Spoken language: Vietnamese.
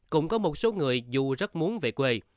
cũng có một số người dù rất muốn về quê